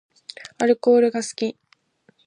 アルコールが好き